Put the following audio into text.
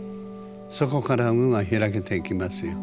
そこから運は開けていきますよ。